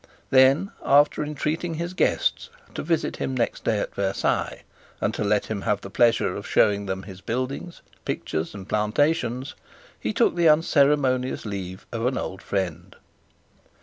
Then, after entreating his guests to visit him next day at Versailles, and to let him have the pleasure of showing them his buildings, pictures, and plantations, he took the unceremonious leave of an old friend.